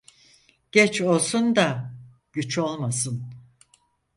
Geç olsun da güç olmasın.